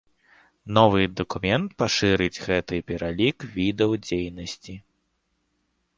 Новы дакумент пашырыць гэты пералік відаў дзейнасці.